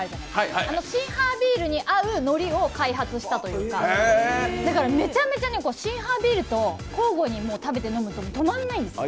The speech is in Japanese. そのシンハービールに合うのりを開発したというか、だからめちゃめちゃ、シンハービールと交互に飲んで食べるとたまらないです。